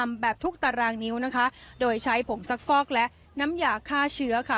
แบบทุกตารางนิ้วนะคะโดยใช้ผงซักฟอกและน้ำยาฆ่าเชื้อค่ะ